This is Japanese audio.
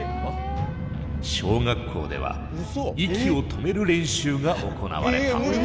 小学校では息を止める練習が行われた。